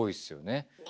ねそうよね。